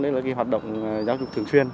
đó là hoạt động giáo dục thường xuyên